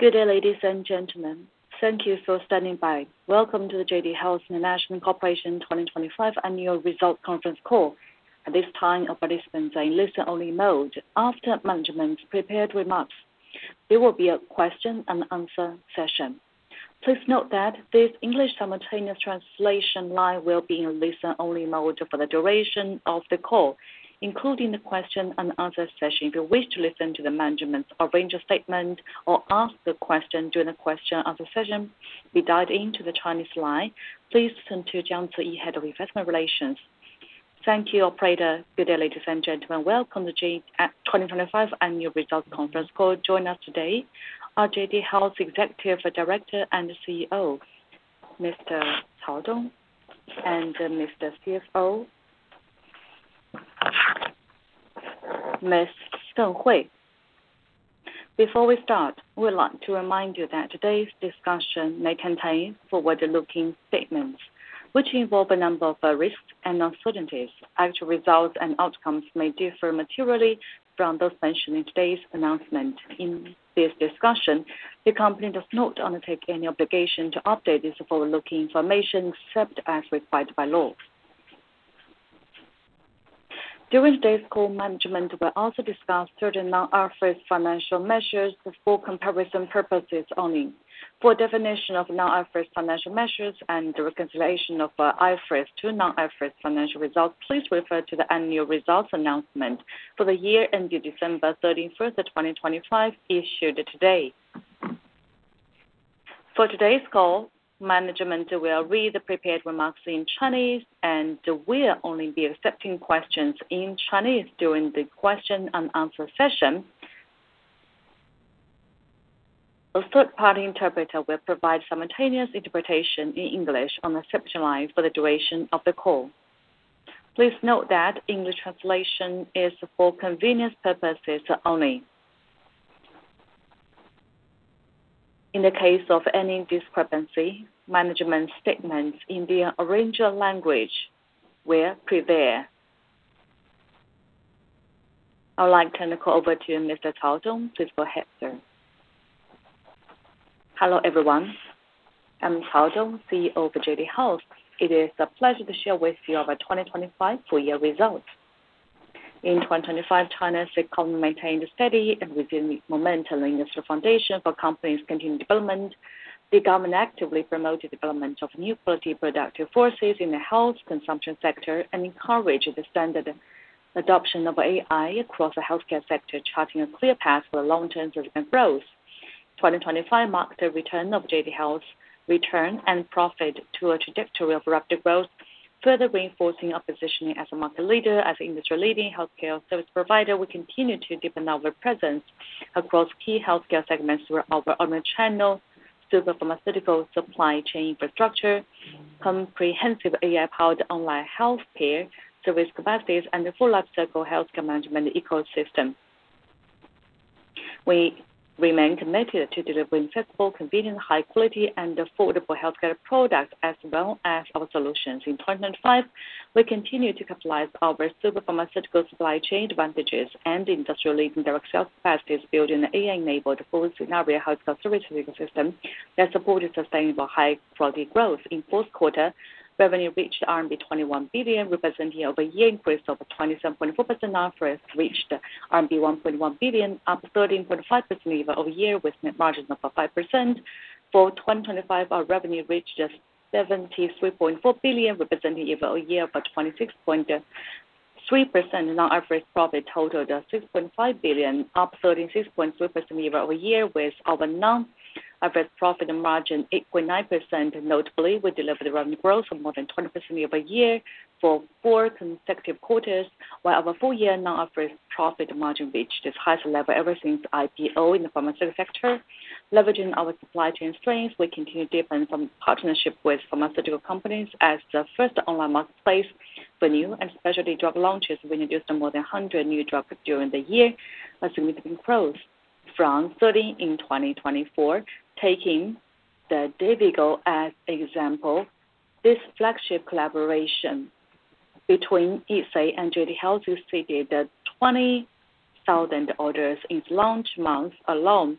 Good day, ladies and gentlemen. Thank you for standing by. Welcome to the JD Health International Inc. 2025 annual results conference call. At this time, participants are in listen only mode. After management's prepared remarks, there will be a question and answer session. Please note that this English simultaneous translation line will be in listen-only mode for the duration of the call, including the question and answer session. If you wish to listen to the management's arranged statement or ask the question during the question and answer session, be dialed into the Chinese line, please listen to Jiang Ci, Head of Investor Relations. Thank you, operator. Good day, ladies and gentlemen. Welcome to JD Health 2025 annual results conference call. Joining us today are JD Health's Executive Director and CEO, Mr. Cao Dong, and Mr. CFO, Miss Deng Hui. Before we start, we'd like to remind you that today's discussion may contain forward-looking statements, which involve a number of risks and uncertainties. Actual results and outcomes may differ materially from those mentioned in today's announcement in this discussion. The company does not undertake any obligation to update this forward-looking information except as required by law. During today's call, management will also discuss certain non-IFRS financial measures for comparison purposes only. For definition of non-IFRS financial measures and the reconciliation of IFRS to non-IFRS financial results, please refer to the annual results announcement for the year ending December 31st of 2025 issued today. For today's call, management will read the prepared remarks in Chinese and will only be accepting questions in Chinese during the question and answer session. A third-party interpreter will provide simultaneous interpretation in English on the reception line for the duration of the call. Please note that English translation is for convenience purposes only. In the case of any discrepancy, management statements in the original language will prevail. I'd like to turn the call over to Mr. Cao Dong. Please go ahead, sir. Hello, everyone. I'm Cao Dong, CEO for JD Health. It is a pleasure to share with you our 2025 full-year results. In 2025, China's economy maintained a steady and resilient momentum, laying the foundation for company's continued development. The government actively promoted development of new quality productive forces in the health consumption sector and encouraged the standard adoption of AI across the healthcare sector, charting a clear path for long-term significant growth. 2025 marked the return of JD Health's return and profit to a trajectory of rapid growth, further reinforcing our positioning as a market leader. As an industry-leading healthcare service provider, we continue to deepen our presence across key healthcare segments through our omnichannel, super pharmaceutical supply chain infrastructure, comprehensive AI-powered online healthcare service capacities, and the full lifecycle healthcare management ecosystem. We remain committed to delivering flexible, convenient, high-quality, and affordable healthcare products as well as our solutions. In 2025, we continued to capitalize our super pharmaceutical supply chain advantages and industry-leading direct sales capacities, building an AI-enabled full scenario healthcare service ecosystem that supported sustainable high-quality growth. In fourth quarter, revenue reached RMB 21 billion, representing year-over-year increase of 27.4%. Non-IFRS reached RMB 1.1 billion, up 13.5% year-over-year, with net margins of 5%. For 2025, our revenue reached 73.4 billion, representing year-over-year of 26.3%. Non-IFRS profit totaled RMB 6.5 billion, up 36.3% year-over-year, with our non-IFRS profit margin 8.9%. Notably, we delivered revenue growth of more than 20% year-over-year for four consecutive quarters, while our full year non-IFRS profit margin reached its highest level ever since IPO in the pharmaceutical sector. Leveraging our supply chain strengths, we continue deepening from partnership with pharmaceutical companies as the first online marketplace for new and specialty drug launches. We introduced more than 100 new drugs during the year, a significant growth from 30 in 2024. Taking the Dayvigo as example, this flagship collaboration between Yi Fei and JD Health, we exceeded 20,000 orders in launch month alone.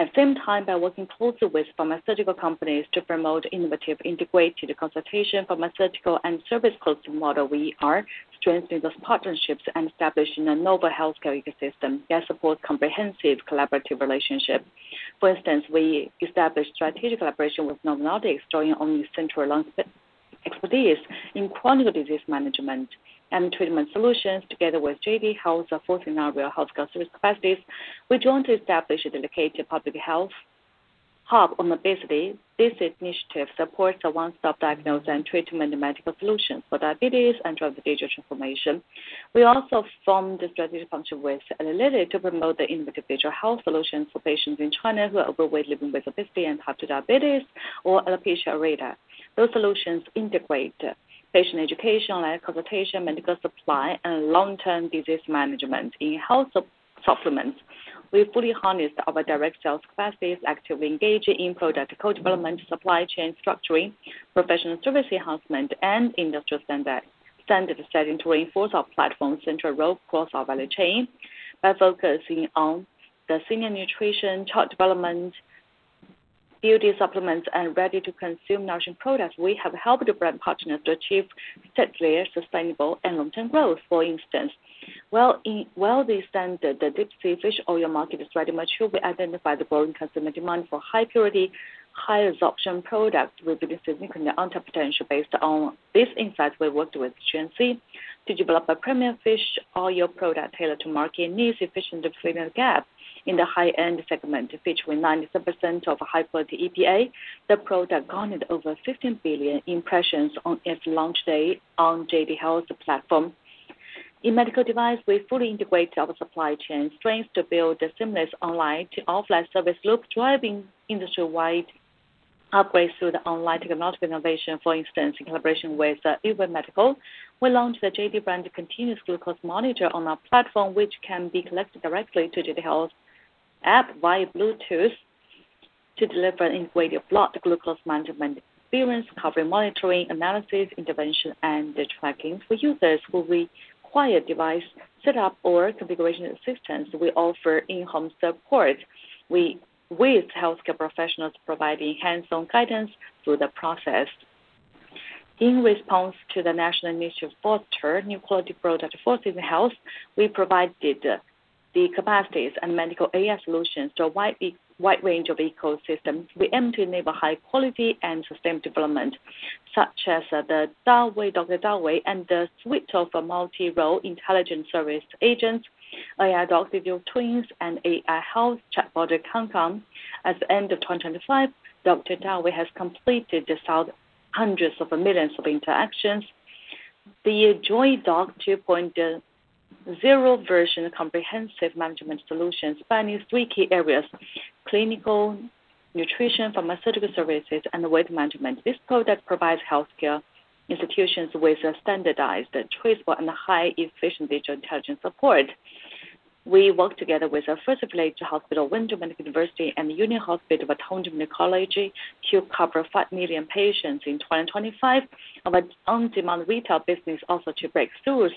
At the same time, by working closely with pharmaceutical companies to promote innovative, integrated consultation, pharmaceutical and service closing model, we are strengthening those partnerships and establishing a novel healthcare ecosystem that supports comprehensive collaborative relationship. We established strategic collaboration with Novo Nordisk, drawing on its central lung expertise in chronic disease management and treatment solutions together with JD Health, a full scenario healthcare service capacities. We're going to establish a dedicated public health hub on obesity. This initiative supports a one-stop diagnosis and treatment and medical solutions for diabetes and obesity transformation. We also formed a strategic function with Eli Lilly to promote the individual health solutions for patients in China who are overweight, living with obesity and type two diabetes or alopecia areata. Those solutions integrate patient education, live consultation, medical supply, and long-term disease management. In health supplements, we fully harness our direct sales capacities, actively engaging in product co-development, supply chain structuring, professional service enhancement, and industrial standard setting to reinforce our platform's central role across our value chain. By focusing on the senior nutrition, child development, beauty supplements, and ready-to-consume nutrition products, we have helped the brand partners to achieve steady, sustainable, and long-term growth. For instance, well we extended the deep sea fish oil market is very mature, we identified the growing customer demand for high purity, high absorption products. We believe there's significant unmet potential. Based on this insight, we worked with Chengxi to develop a premium fish oil product tailored to market needs, efficient the premium gap in the high-end segment, featuring 90% of high-quality EPA. The product garnered over 15 billion impressions on its launch day on JD Health's platform. In medical device, we fully integrate our supply chain strength to build a seamless online to offline service loop, driving industry-wide upgrades through the online technological innovation. For instance, in collaboration with Yuwell Medical, we launched the JD brand continuous glucose monitor on our platform, which can be connected directly to JD Health's app via Bluetooth to deliver integrated blood glucose management experience, covering monitoring, analysis, intervention, and data tracking. For users who require device setup or configuration assistance, we offer in-home support. With healthcare professionals providing hands-on guidance through the process. In response to the national initiative to foster new quality product forces in health, we provided the capacities and medical AI solutions to a wide range of ecosystems. We aim to enable high quality and sustained development, such as, the Dawei, Dr. Dawei, and the suite of multi-role intelligent service agents, AI digital twins, and AI health chatbot, Kangkang. At the end of 2025, Dr. Dawei has completed just hundreds of millions of interactions. The JoyDoc 2.0 version comprehensive management solution spanning three key areas: clinical, nutrition, pharmaceutical services, and weight management. This product provides healthcare institutions with a standardized, traceable, and high-efficiency digital intelligence support. We work together with our first-place hospital, Wenzhou Medical University, and Union Hospital of Zhejiang College to cover 5 million patients in 2025. Our on-demand retail business also to break through.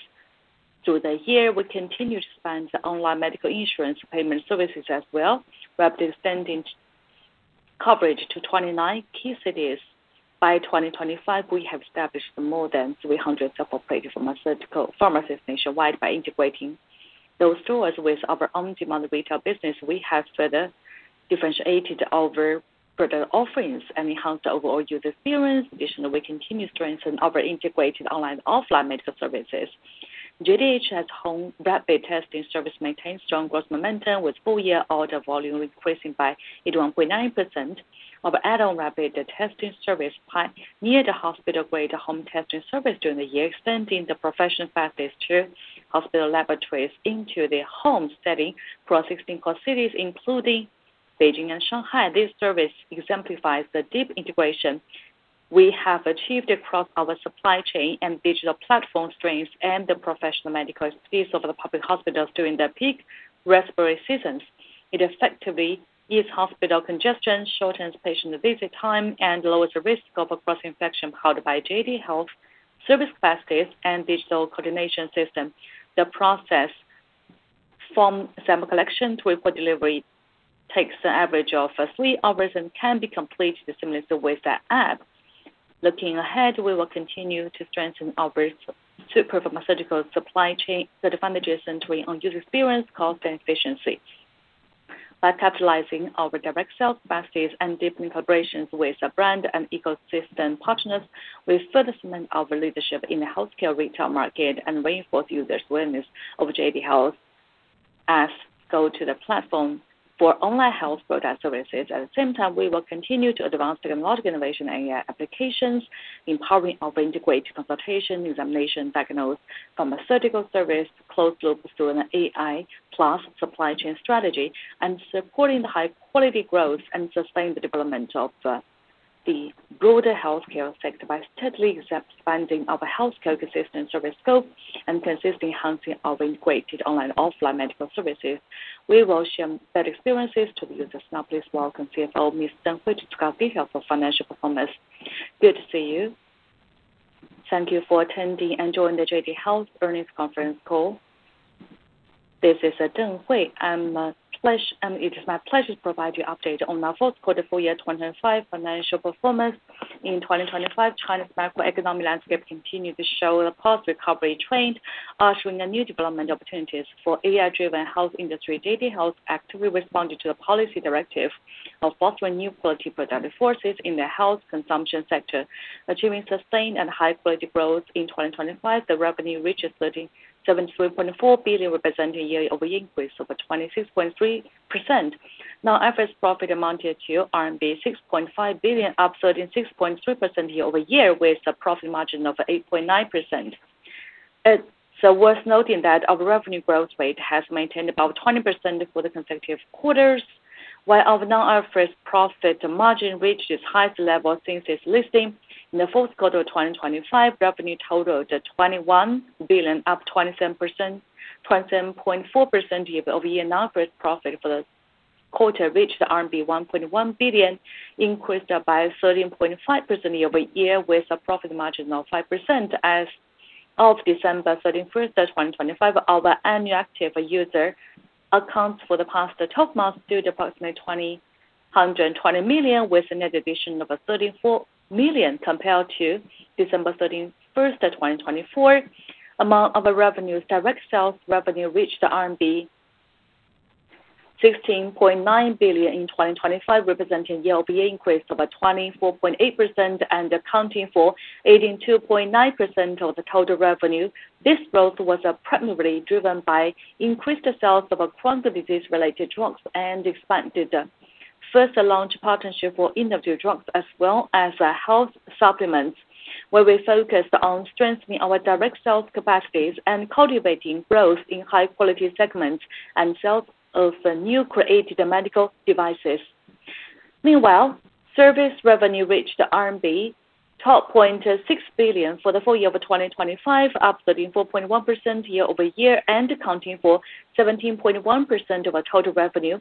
Through the year, we continue to expand the online medical insurance payment services as well. We're extending coverage to 29 key cities. By 2025, we have established more than 300 self-operated pharmaceutical pharmacies nationwide by integrating those stores with our on-demand retail business. We have further differentiated our product offerings and enhanced the overall user experience. Additionally, we continue to strengthen our integrated online/offline medical services. JDH's home rapid testing service maintains strong growth momentum, with full-year order volume increasing by 81.9%. Our add-on rapid testing service near the hospital-grade home testing service during the year, extending the professional practice to hospital laboratories into the home setting for 16 core cities, including Beijing and Shanghai. This service exemplifies the deep integration we have achieved across our supply chain and digital platform strengths and the professional medical expertise of the public hospitals during the peak respiratory seasons. It effectively eases hospital congestion, shortens patient visit time, and lowers the risk of cross-infection powered by JD Health service baskets and digital coordination system. The process from sample collection to report delivery takes an average of three hours and can be completed seamlessly with the app. Looking ahead, we will continue to strengthen our super pharmaceutical supply chain advantages and to enhance user experience, cost, and efficiency. By capitalizing our direct sales capacities and deepening collaborations with our brand and ecosystem partners, we'll further cement our leadership in the healthcare retail market and reinforce users' willingness of JD Health as go-to the platform for online health product services. At the same time, we will continue to advance technological innovation and AI applications, empowering our integrated consultation, examination, diagnosis, pharmaceutical service, closed loop student AI plus supply chain strategy, and supporting the high quality growth and sustained development of the broader healthcare sector by steadily expanding our healthcare consistent service scope and consistently enhancing our integrated online/offline medical services. We will share better experiences to the users. Please welcome CFO, Ms. Deng Hui, to provide details for financial performance. Good to see you. Thank you for attending and joining the JD Health Earnings conference call. This is Deng Hui. It is my pleasure to provide you update on our fourth quarter full year 2025 financial performance. In 2025, China's macroeconomy landscape continued to show a positive recovery trend, ushering new development opportunities. AI-driven health industry, JD Health actively responded to the policy directive of fostering new quality productive forces in the health consumption sector, achieving sustained and high-quality growth. In 2025, the revenue reached 37.4 billion, representing a year-over-year increase of 26.3%. Net profit amounted to RMB 6.5 billion, up 36.3% year-over-year, with a profit margin of 8.9%. Worth noting that our revenue growth rate has maintained above 20% for the consecutive quarters, while our net profit margin reached its highest level since its listing. In the fourth quarter of 2025, revenue totaled 21 billion, up 27.4% year-over-year. Net profit for the quarter reached RMB 1.1 billion, increased by 13.5% year-over-year, with a profit margin of 5% as of December 13 first, 2025. Our annual active user accounts for the past 12 months stood approximately 200 million, with an addition of 34 million compared to December 13 first, 2024. Among other revenues, direct sales revenue reached RMB 16.9 billion in 2025, representing year-over-year increase of 24.8% and accounting for 82.9% of the total revenue. This growth was primarily driven by increased sales of chronic disease related drugs and expanded first launch partnership for innovative drugs as well as health supplements, where we focused on strengthening our direct sales capacities and cultivating growth in high quality segments and sales of new created medical devices. Meanwhile, service revenue reached 12.6 billion RMB for the full year of 2025, up 34.1% year-over-year and accounting for 17.1% of our total revenue,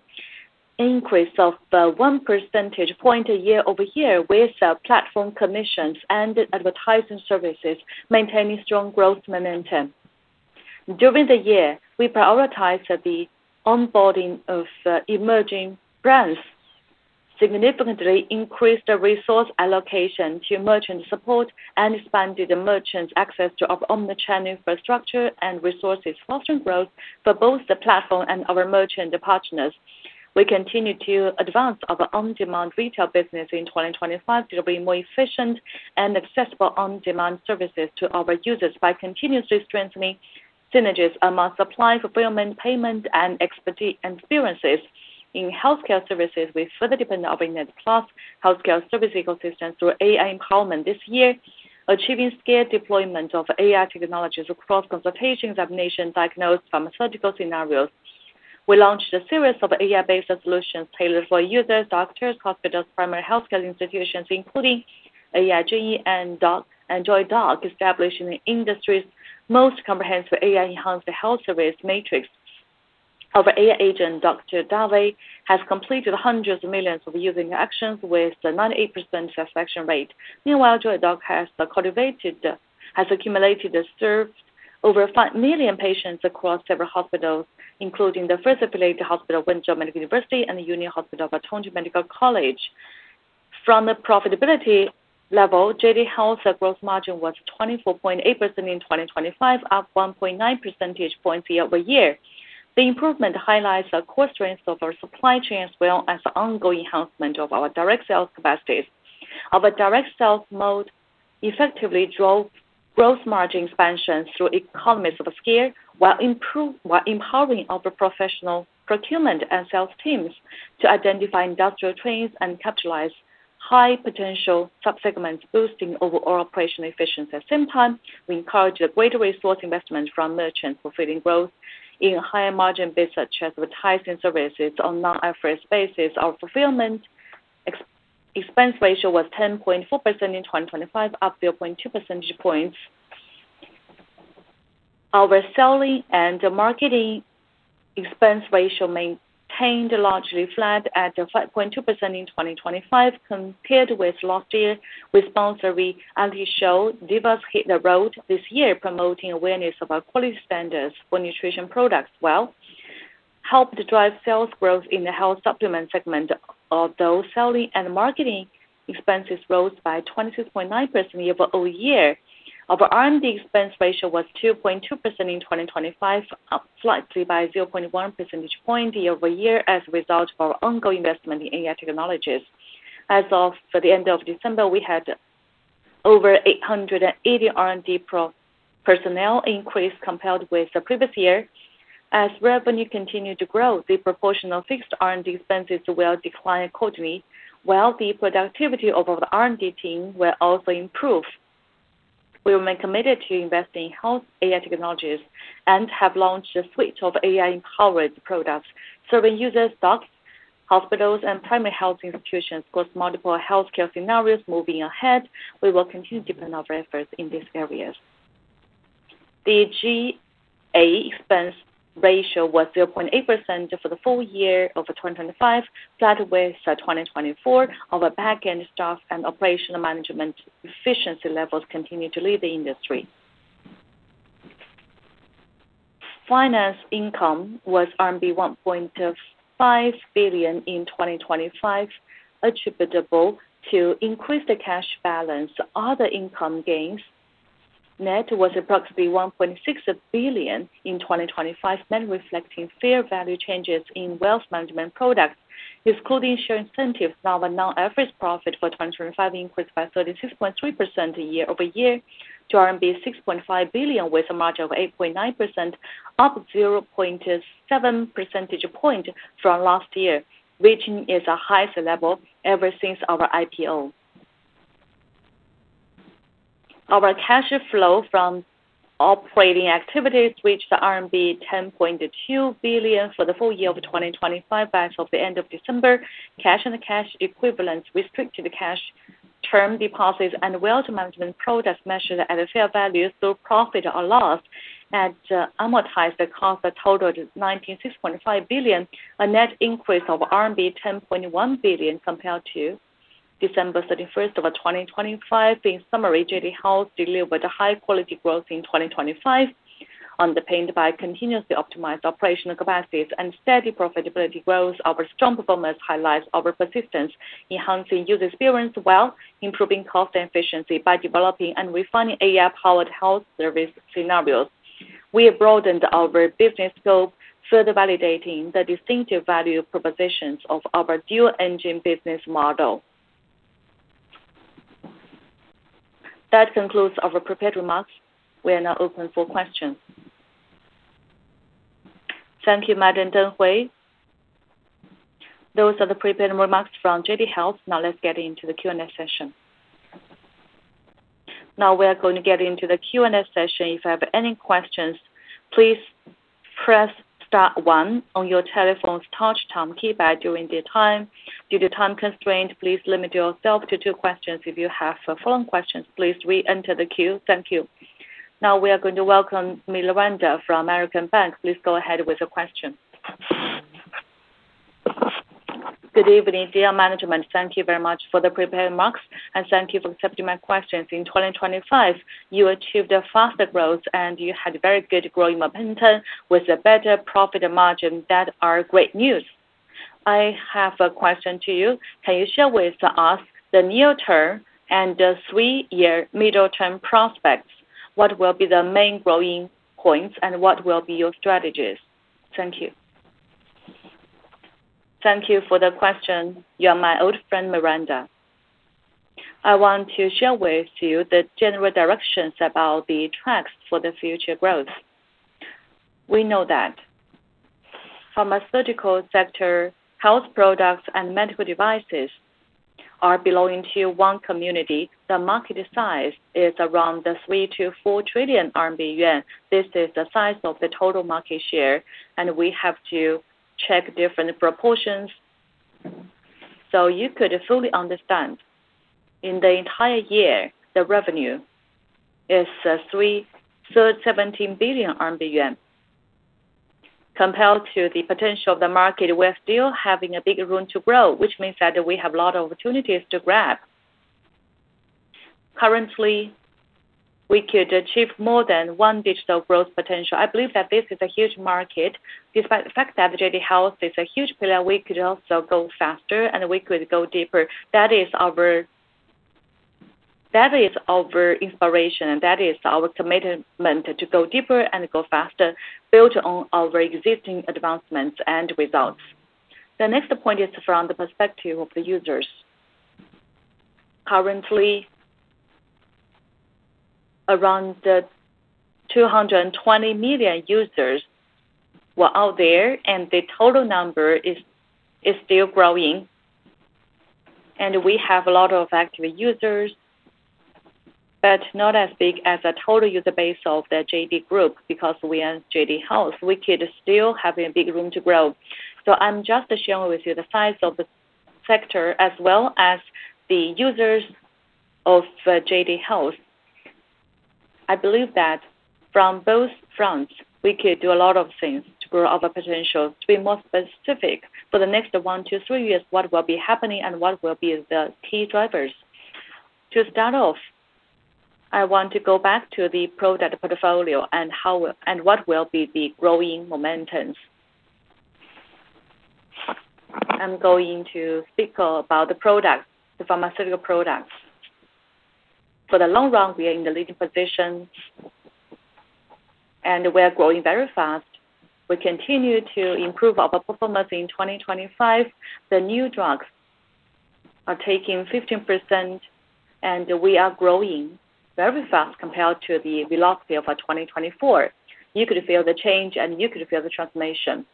increase of one percentage point year-over-year, with our platform commissions and advertising services maintaining strong growth momentum. During the year, we prioritized the onboarding of emerging brands, significantly increased the resource allocation to merchant support, and expanded the merchants access to our omnichannel infrastructure and resources, fostering growth for both the platform and our merchant partners. We continue to advance our on-demand retail business in 2025 to bring more efficient and accessible on-demand services to our users by continuously strengthening synergies among supply, fulfillment, payment, and experiences. In healthcare services, we further deepened our Internet + healthcare service ecosystem through AI empowerment this year, achieving scale deployment of AI technologies across consultations, examinations, diagnosis, pharmaceutical scenarios. We launched a series of AI-based solutions tailored for users, doctors, hospitals, primary healthcare institutions, including AI Jingyi and Doc, and JoyDoc, establishing the industry's most comprehensive AI enhanced health service matrix. Our AI agent, Dr. Dawei has completed hundreds of millions of user interactions with a 98% satisfaction rate. Meanwhile, JoyDoc has accumulated and served over 5 million patients across several hospitals, including The First Affiliated Hospital of Wenzhou Medical University and Union Hospital of Tongji Medical College. From the profitability level, JD Health's growth margin was 24.8% in 2025, up 1.9 percentage points year-over-year. The improvement highlights the core strengths of our supply chain as well as the ongoing enhancement of our direct sales capacities. Our direct sales mode effectively drove growth margin expansion through economies of scale, while empowering our professional procurement and sales teams to identify industrial trends and capitalize high potential sub-segments, boosting overall operational efficiency. At the same time, we encourage greater resource investment from merchants, fulfilling growth in higher margin business such as advertising services on non-IFRS basis. Our fulfillment ex-expense ratio was 10.4% in 2025, up 0.2 percentage points. Our selling and marketing expense ratio maintained largely flat at 5.2% in 2025 compared with last year. Responses we early showed, dealers hit the road this year promoting awareness of our quality standards for nutrition products, while helped drive sales growth in the health supplement segment, although selling and marketing expenses rose by 22.9% year-over-year. Our R&D expense ratio was 2.2% in 2025, up slightly by 0.1 percentage point year-over-year as a result of our ongoing investment in AI technologies. As of the end of December, we had over 880 R&D personnel increase compared with the previous year. As revenue continued to grow, the proportion of fixed R&D expenses will decline accordingly, while the productivity of our R&D team will also improve. We remain committed to investing in health AI technologies and have launched a suite of AI empowered products serving users, docs, hospitals, and primary health institutions across multiple healthcare scenarios. Moving ahead, we will continue to plan our efforts in these areas. The G&A expense ratio was 0.8% for the full year of 2025, flat with 2024. Our backend staff and operational management efficiency levels continue to lead the industry. Finance income was RMB 1.5 billion in 2025, attributable to increased cash balance. Other income gains, net was approximately 1.6 billion in 2025, net reflecting fair value changes in wealth management products, excluding share incentive. Now, our non-IFRS profit for 2025 increased by 36.3% year-over-year to RMB 6.5 billion, with a margin of 8.9%, up 0.7 percentage point from last year, reaching its highest level ever since our IPO. Our cash flow from operating activities reached the RMB 10.2 billion for the full year of 2025. As of the end of December, cash and cash equivalents restricted cash term deposits and wealth management products measured at a fair value through profit or loss at amortized cost totaled 96.5 billion, a net increase of RMB 10.1 billion compared to December 31st of 2025. In summary, JD Health delivered high quality growth in 2025, underpinned by continuously optimized operational capacities and steady profitability growth. Our strong performance highlights our persistence, enhancing user experience while improving cost efficiency by developing and refining AI-powered health service scenarios. We have broadened our business scope, further validating the distinctive value propositions of our dual engine business model. That concludes our prepared remarks. We are now open for questions. Thank you, Madam Deng Hui. Those are the prepared remarks from JD Health. Let's get into the Q&A session. We are going to get into the Q&A session. If you have any questions, please press star one on your telephone's touch tone keypad during the time. Due to time constraint, please limit yourself to two questions. If you have follow-up questions, please re-enter the queue. Thank you. Now we are going to welcome Miranda from Bank of America. Please go ahead with your question. Good evening, dear management. Thank you very much for the prepared remarks, and thank you for accepting my questions. In 2025, you achieved a faster growth, and you had very good growing momentum with a better profit margin that are great news. I have a question to you. Can you share with us the near term and the three-year middle term prospects? What will be the main growing points and what will be your strategies? Thank you. Thank you for the question. You are my old friend, Miranda. I want to share with you the general directions about the tracks for the future growth. We know that pharmaceutical sector, health products and medical devices are belonging to one community. The market size is around 3 trillion-4 trillion yuan. This is the size of the total market share, and we have to check different proportions. You could fully understand, in the entire year, the revenue is 3.017 billion yuan. Compared to the potential of the market, we are still having a big room to grow, which means that we have a lot of opportunities to grab. Currently, we could achieve more than one digital growth potential. I believe that this is a huge market. Despite the fact that JD Health is a huge player, we could also go faster and we could go deeper. That is our inspiration, and that is our commitment to go deeper and go faster, build on our existing advancements and results. The next point is from the perspective of the users. Currently, around the 220 million users were out there. The total number is still growing. We have a lot of active users, but not as big as the total user base of the JD Group because we are JD Health. We could still having big room to grow. I'm just sharing with you the size of the sector as well as the users of JD Health. I believe that from both fronts, we could do a lot of things to grow our potential. To be more specific, for the next one to three years, what will be happening and what will be the key drivers? To start off, I want to go back to the product portfolio and what will be the growing momentums. I'm going to speak about the products, the pharmaceutical products. For the long run, we are in the leading position and we are growing very fast. We continue to improve our performance in 2025. The new drugs are taking 15%, and we are growing very fast compared to the velocity of 2024. You could feel the change and you could feel the transformation.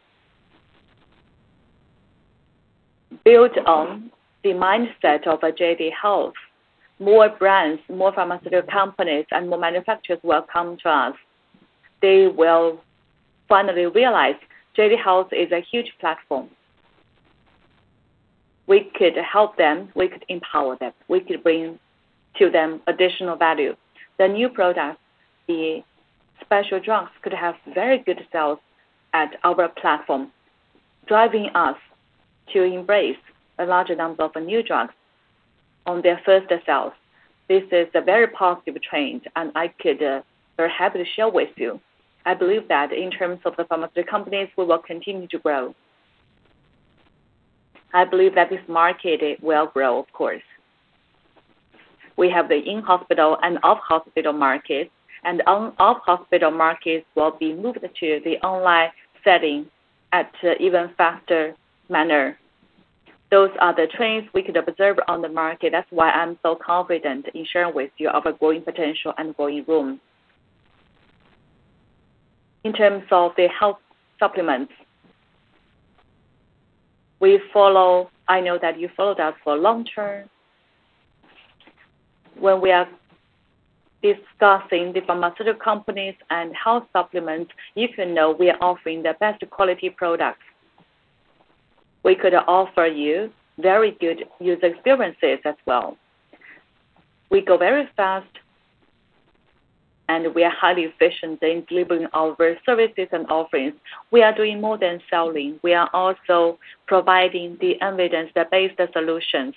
Built on the mindset of a JD Health, more brands, more pharmaceutical companies and more manufacturers will come to us. They will finally realize JD Health is a huge platform. We could help them. We could empower them. We could bring to them additional value. The new products, the special drugs could have very good sales at our platform, driving us to embrace a large number of new drugs on their first sales. This is a very positive trend, and I could very happily share with you. I believe that in terms of the pharmaceutical companies, we will continue to grow. I believe that this market will grow, of course. We have the in-hospital and off-hospital markets, and on off-hospital markets will be moved to the online setting at even faster manner. Those are the trends we could observe on the market. That's why I'm so confident in sharing with you our growing potential and growing room. In terms of the health supplements, we follow, I know that you followed up for long term. When we are discussing the pharmaceutical companies and health supplements, you can know we are offering the best quality products. We could offer you very good user experiences as well. We go very fast. We are highly efficient in delivering our services and offerings. We are doing more than selling. We are also providing the evidence that base the solutions.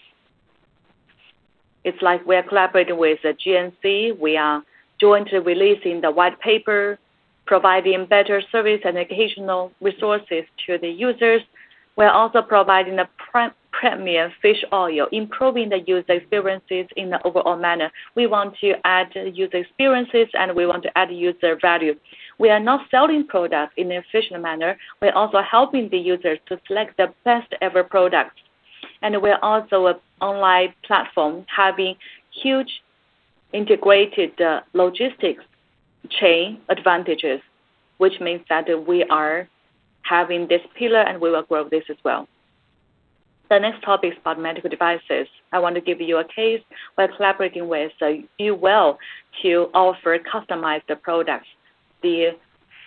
It's like we are collaborating with GNC. We are jointly releasing the white paper, providing better service and educational resources to the users. We're also providing a premium fish oil, improving the user experiences in the overall manner. We want to add user experiences, and we want to add user value. We are not selling products in an efficient manner. We're also helping the users to select the best ever product. We're also an online platform having huge integrated logistics chain advantages, which means that we are having this pillar, and we will grow this as well. The next topic is about medical devices. I want to give you a case. We're collaborating with Yuwell to offer customized products. The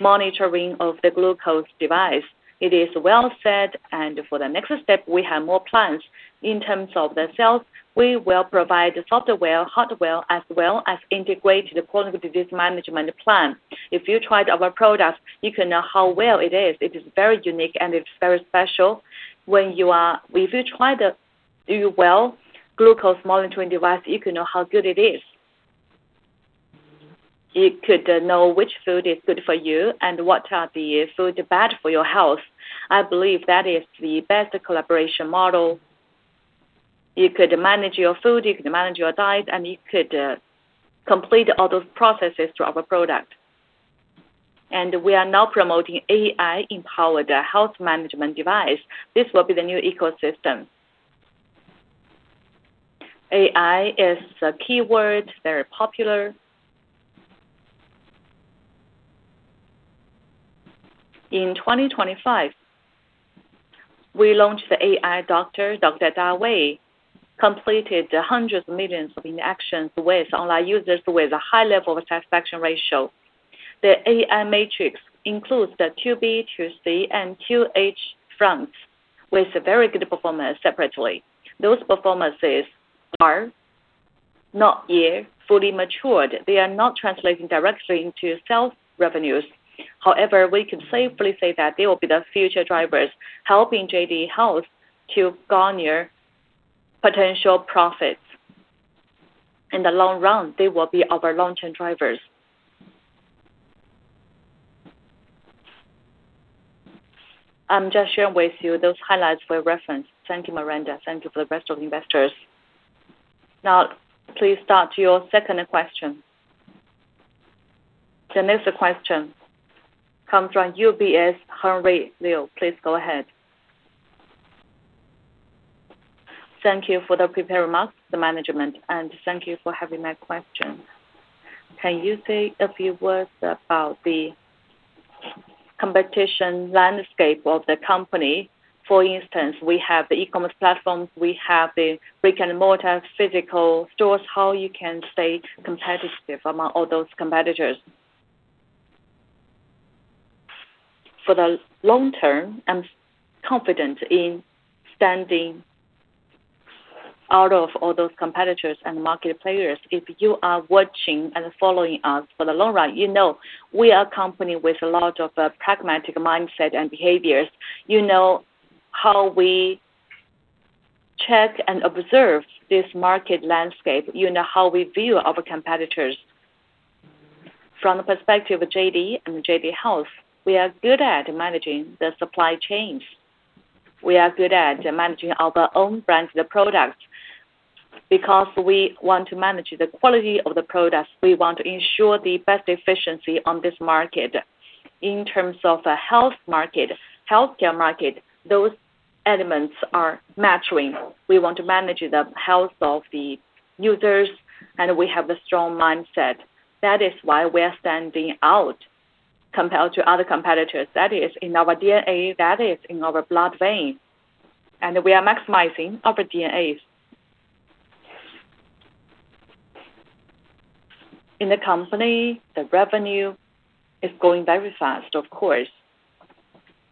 monitoring of the glucose device, it is well set, and for the next step, we have more plans. In terms of the sales, we will provide software, hardware, as well as integrate the quality disease management plan. If you tried our product, you can know how well it is. It is very unique, and it's very special. If you try the Yuwell glucose monitoring device, you can know how good it is. You could know which food is good for you and what are the food bad for your health. I believe that is the best collaboration model. You could manage your food, you could manage your diet, and you could complete all those processes through our product. We are now promoting AI-empowered health management device. This will be the new ecosystem. AI is a keyword, very popular. In 2025, we launched the AI doctor, Dr. Dawei completed hundreds of millions of interactions with online users with a high level of satisfaction ratio. The AI matrix includes the B2C and 2H fronts with a very good performance separately. Those performances are not yet fully matured. They are not translating directly into sales revenues. However, we can safely say that they will be the future drivers helping JD Health to garner potential profits. In the long run, they will be our long-term drivers. I'm just sharing with you those highlights for reference. Thank you, Miranda. Thank you for the rest of the investors. Now, please start your second question. The next question comes from UBS, Henry Liu. Please go ahead. Thank you for the prepared remarks, the management, and thank you for having my question. Can you say a few words about the competition landscape of the company? For instance, we have the e-commerce platforms. We have the brick-and-mortar physical stores. How you can stay competitive among all those competitors? For the long term, I'm confident in standing out of all those competitors and market players. If you are watching and following us for the long run, you know we are a company with a lot of pragmatic mindset and behaviors. You know how we check and observe this market landscape. You know how we view our competitors. From the perspective of JD and JD Health, we are good at managing the supply chains. We are good at managing our own brands, the products, because we want to manage the quality of the products. We want to ensure the best efficiency on this market. In terms of the health market, healthcare market, those elements are maturing. We want to manage the health of the users, and we have a strong mindset. That is why we are standing out compared to other competitors. That is in our DNA, that is in our blood vein, and we are maximizing our DNAs. In the company, the revenue is growing very fast, of course,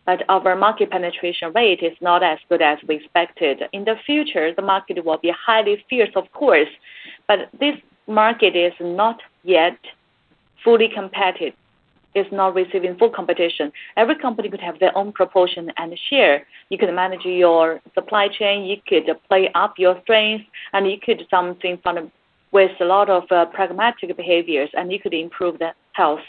but our market penetration rate is not as good as we expected. In the future, the market will be highly fierce, of course, but this market is not yet fully competitive. It's not receiving full competition. Every company could have their own proportion and share. You could manage your supply chain, you could play up your strengths, and you could do something with a lot of pragmatic behaviors, and you could improve the health.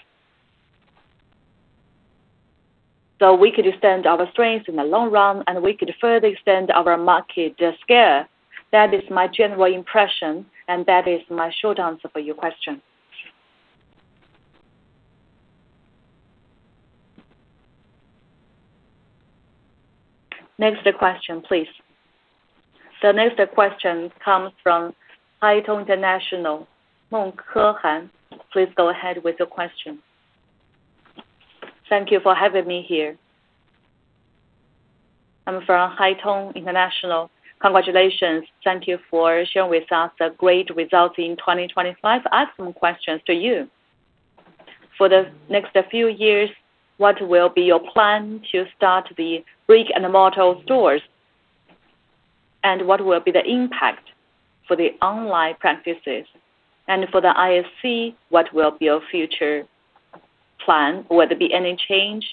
We could extend our strengths in the long run, and we could further extend our market scale. That is my general impression. That is my short answer for your question. Next question, please. The next question comes from Haitong International, Meng Kehan. Please go ahead with your question. Thank you for having me here. I'm from Haitong International. Congratulations. Thank you for sharing with us the great results in 2025. I have some questions to you. For the next few years, what will be your plan to start the brick-and-mortar stores? What will be the impact for the online practices? For the IFC, what will be your future plan? Will there be any change?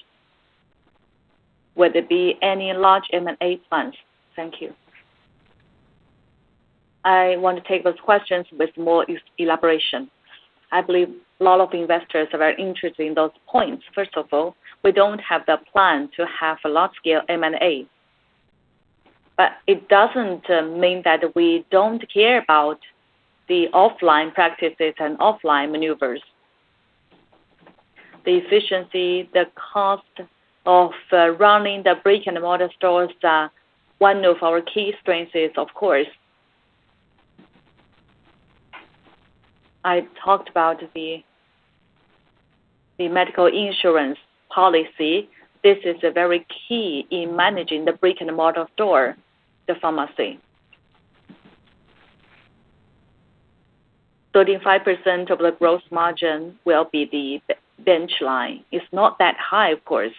Will there be any large M&A plans? Thank you. I want to take those questions with more elaboration. I believe a lot of investors are very interested in those points. First of all, we don't have the plan to have a large-scale M&A. It doesn't mean that we don't care about the offline practices and offline maneuvers. The efficiency, the cost of running the brick-and-mortar stores are one of our key strengths is, of course. I talked about the medical insurance policy. This is a very key in managing the brick-and-mortar store, the pharmacy. 35% of the gross margin will be the bench line. It's not that high, of course.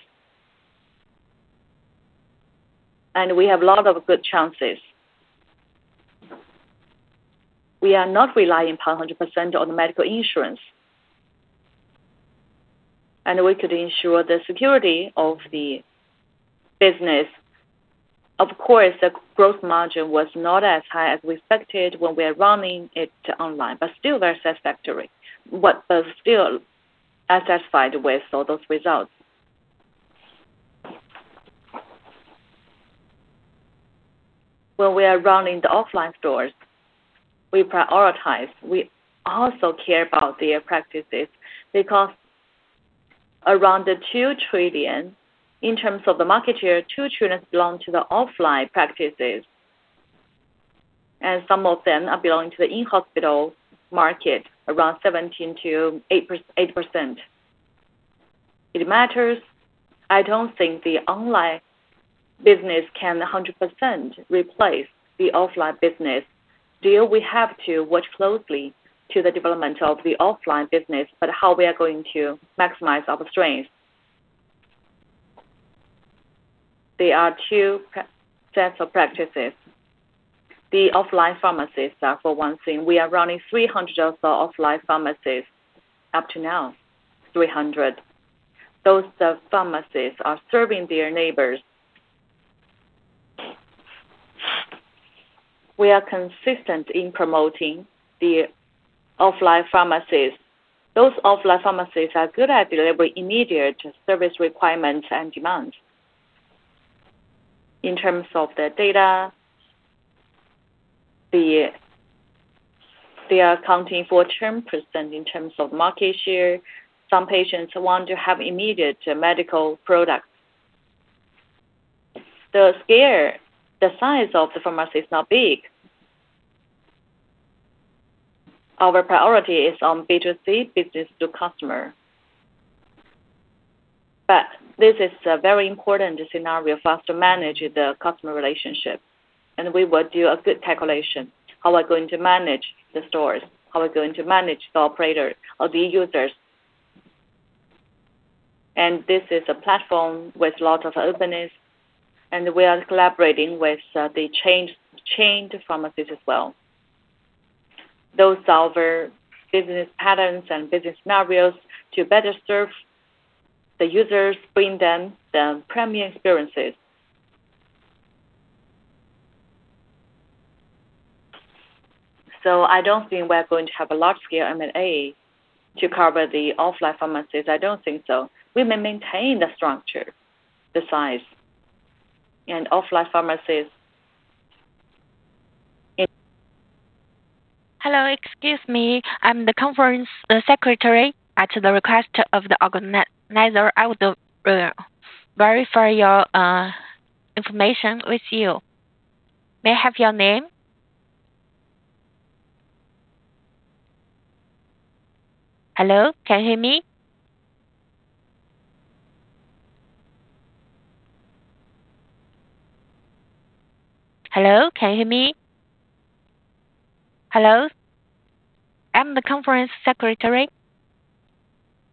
We have a lot of good chances. We are not relying 100% on medical insurance. We could ensure the security of the business. Of course, the gross margin was not as high as we expected when we are running it online, but still very satisfactory. What we're still satisfied with all those results. When we are running the offline stores, we prioritize. We also care about their practices. They cost around the 2 trillion. In terms of the market share, 2 trillion belong to the offline practices. Some of them are belonging to the in-hospital market, around 8%. It matters. I don't think the online business can 100% replace the offline business. We have to watch closely to the development of the offline business. How we are going to maximize our strength. There are two sets of practices. The offline pharmacies are for one thing. We are running 300 of the offline pharmacies up to now. Those pharmacies are serving their neighbors. We are consistent in promoting the offline pharmacies. Those offline pharmacies are good at delivering immediate service requirements and demands. In terms of the data, they are accounting for 10% in terms of market share. Some patients want to have immediate medical products. The scale, the size of the pharmacy is not big. Our priority is on B2C, business to customer. This is a very important scenario for us to manage the customer relationship, and we will do a good calculation. How we're going to manage the stores, how we're going to manage the operator or the users. This is a platform with lot of openness, and we are collaborating with the chained pharmacies as well. Those solve our business patterns and business scenarios to better serve the users, bring them the premium experiences. I don't think we're going to have a large scale M&A to cover the offline pharmacies. I don't think so. We may maintain the structure, the size in offline pharmacies.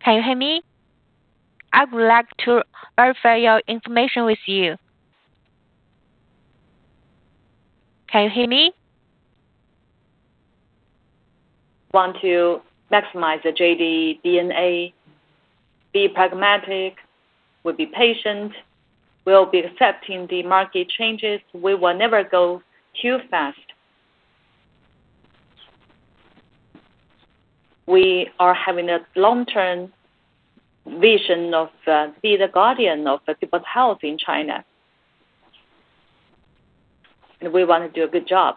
Want to maximize the JD DNA, be pragmatic, we'll be patient. We'll be accepting the market changes. We will never go too fast. We are having a long-term vision of be the guardian of the people's health in China. We want to do a good job.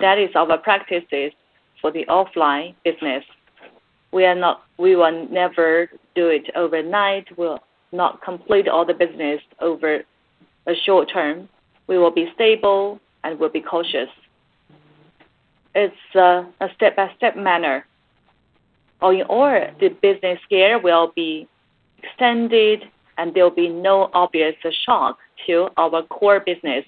That is our practices for the offline business. We will never do it overnight. We'll not complete all the business over a short term. We will be stable, and we'll be cautious. It's a step-by-step manner, or the business scale will be extended, and there will be no obvious shock to our core business.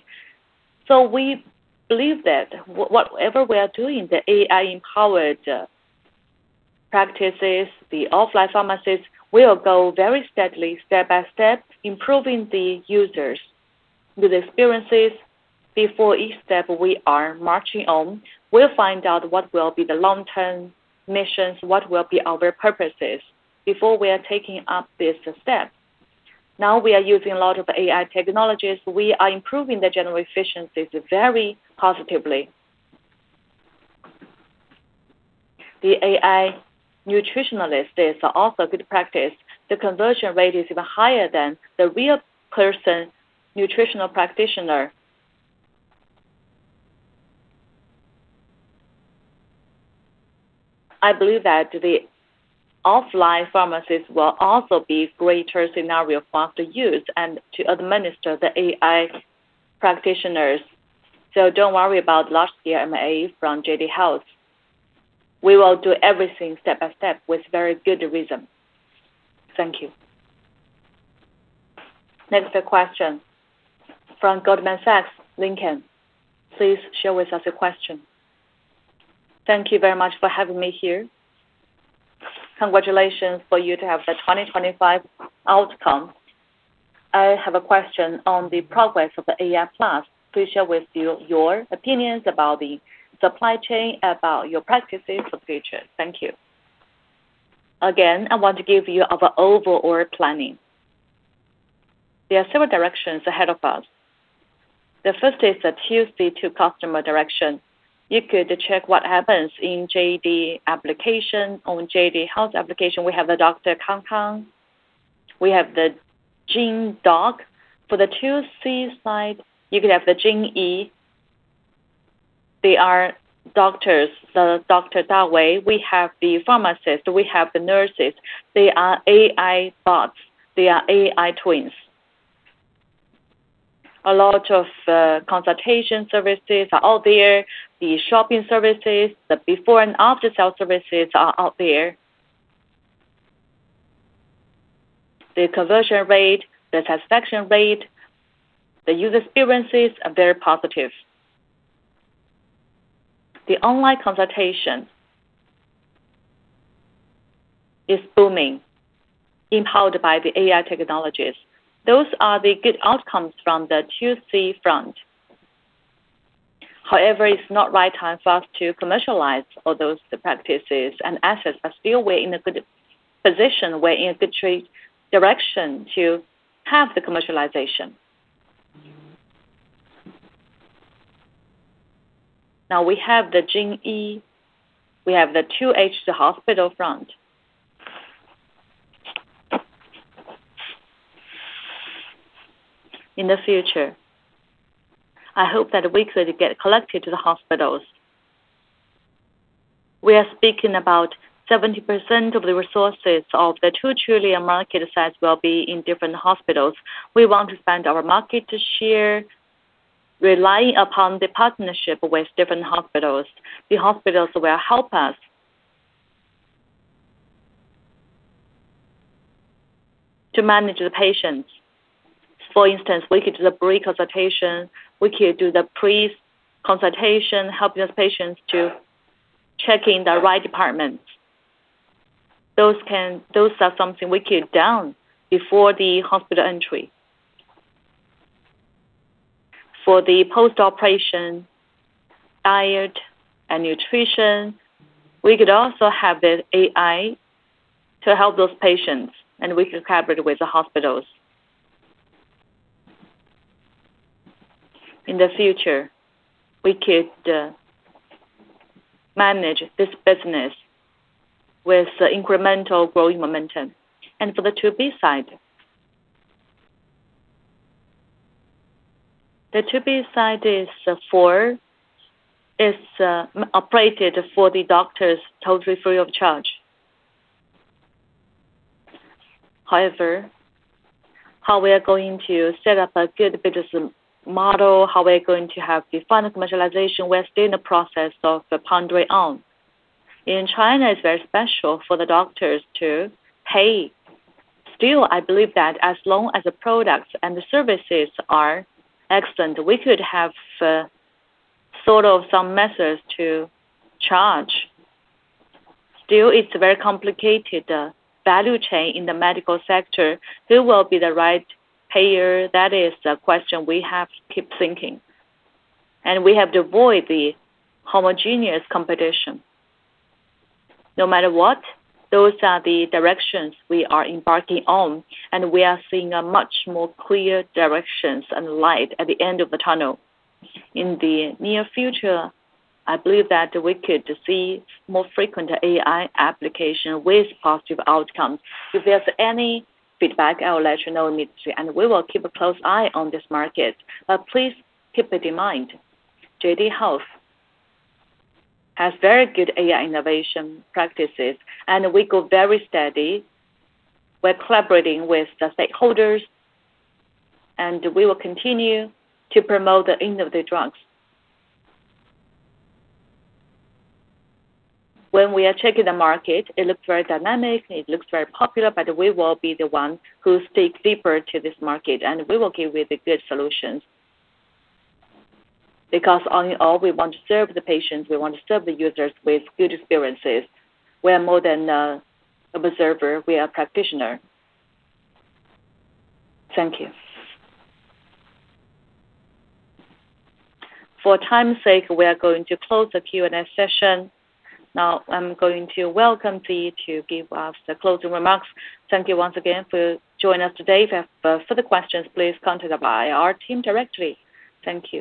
We believe that whatever we are doing, the AI-empowered practices, the offline pharmacists will go very steadily step by step, improving the users with experiences before each step we are marching on. We'll find out what will be the long-term missions, what will be our purposes before we are taking up this step. We are using a lot of AI technologies. We are improving the general efficiencies very positively. The AI nutritionist is also a good practice. The conversion rate is even higher than the real person nutritional practitioner. I believe that the offline pharmacist will also be greater scenario for us to use and to administer the AI practitioners. Don't worry about large CMA from JD Health. We will do everything step by step with very good reason. Thank you. Next question from Goldman Sachs, Lincoln. Please share with us your question. Thank you very much for having me here. Congratulations for you to have the 2025 outcome. I have a question on the progress of the AI plus. Please share with you your opinions about the supply chain, about your practices for future? Thank you. I want to give you our overall planning. There are several directions ahead of us. The first is the 2C to customer direction. You could check what happens in JD application. On JD Health application, we have the Dr. Kangkang. We have the JoyDoc. For the 2C side, you could have the Jingyi. They are doctors. The Dr. Dawei. We have the pharmacist. We have the nurses. They are AI bots. They are AI twins. A lot of consultation services are out there. The shopping services, the before and after sales services are out there. The conversion rate, the satisfaction rate, the user experiences are very positive. The online consultation is booming, empowered by the AI technologies. Those are the good outcomes from the 2C front. It's not right time for us to commercialize all those practices and assets, but still we're in a good position. We're in a good tree direction to have the commercialization. Now we have the Jingyi. We have the 2H to hospital front. In the future, I hope that we could get collected to the hospitals. We are speaking about 70% of the resources of the 2 trillion market size will be in different hospitals. We want to expand our market share, relying upon the partnership with different hospitals. The hospitals will help us to manage the patients. For instance, we could do the pre-consultation. We could do the pre-consultation, helping those patients to check in the right departments. Those are something we could done before the hospital entry. For the post-operation diet and nutrition, we could also have the AI to help those patients. We could have it with the hospitals. In the future, we could manage this business with incremental growing momentum. For the 2B side. The 2B side is operated for the doctors totally free of charge. How we are going to set up a good business model, how we are going to have the final commercialization, we are still in the process of pondering on. In China, it's very special for the doctors to pay. I believe that as long as the products and the services are excellent, we could have sort of some methods to charge. It's a very complicated value chain in the medical sector. Who will be the right payer? That is a question we have to keep thinking. We have to avoid the homogeneous competition. No matter what, those are the directions we are embarking on, and we are seeing a much more clear directions and light at the end of the tunnel. In the near future, I believe that we could see more frequent AI application with positive outcome. If there's any feedback, I will let you know immediately, and we will keep a close eye on this market. Please keep it in mind, JD Health has very good AI innovation practices, and we go very steady. We're collaborating with the stakeholders, and we will continue to promote the innovative drugs. When we are checking the market, it looks very dynamic, and it looks very popular, but we will be the one who dig deeper to this market, and we will give you the good solutions. All in all, we want to serve the patients, we want to serve the users with good experiences. We are more than observer, we are practitioner. Thank you. Time's sake, we are going to close the Q&A session. I'm going to welcome Binglin Du to give us the closing remarks. Thank you once again for joining us today. Further questions, please contact our IR team directly. Thank you.